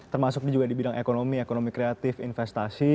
termasuk juga di bidang ekonomi ekonomi kreatif investasi